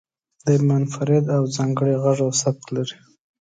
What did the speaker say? دی منفرد او ځانګړی غږ او سبک لري.